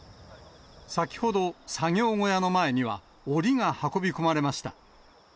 先ほど、作業小屋の前には、おりが運び込まれました。